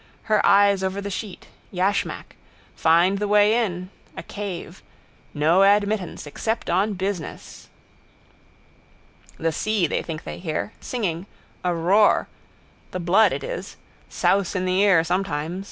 Her eyes over the sheet. Yashmak. Find the way in. A cave. No admittance except on business. The sea they think they hear. Singing. A roar. The blood it is. Souse in the ear sometimes.